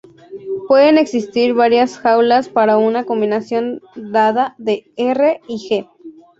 Pueden existir varias jaulas para una combinación dada de "r" y "g".